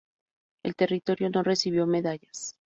El territorio no recibió medallas.